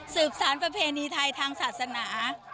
สารประเพณีไทยทางศาสนา